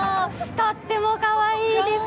とってもかわいいです。